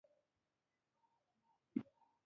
ویده خوب د یادونو انځورونه راوړي